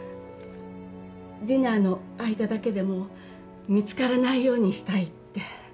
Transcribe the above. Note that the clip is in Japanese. ディナーの間だけでも見つからないようにしたいって。